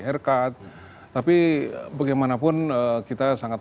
haircut tapi bagaimanapun kita sangat